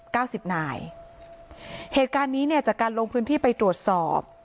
สิบนายเหตุการณ์นี้เนี่ยจากการลงพื้นที่ไปตรวจสอบ